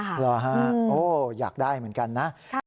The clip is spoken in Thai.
เหรอฮะโอ้อยากได้เหมือนกันนะ